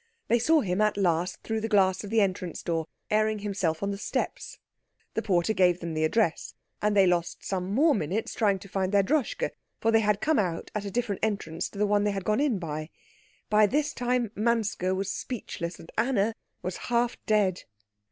They saw him at last through the glass of the entrance door, airing himself on the steps. The porter gave them the address, and they lost some more minutes trying to find their Droschke, for they had come out at a different entrance to the one they had gone in by. By this time Manske was speechless, and Anna was half dead.